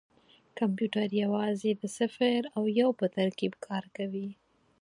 کمپیوټر یوازې د صفر او یو په ترکیب کار کوي.